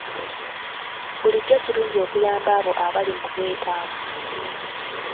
Bulijjo kirungi okuyamba abo abali mu bwetaavu.